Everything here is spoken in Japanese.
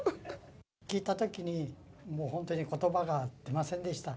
聞いたときに、もう本当にことばが出ませんでした。